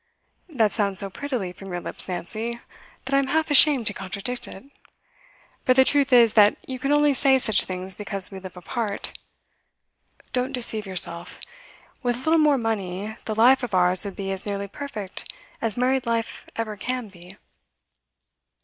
'That sounds so prettily from your lips, Nancy, that I'm half ashamed to contradict it. But the truth is that you can only say such things because we live apart. Don't deceive yourself. With a little more money, this life of ours would be as nearly perfect as married life ever can be.